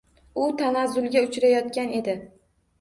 U ‒ tanazzulga uchrayotgan edi.